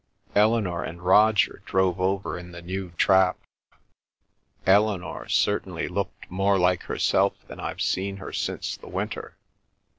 ... Eleanor and Roger drove over in the new trap. ... Eleanor certainly looked more like herself than I've seen her since the winter.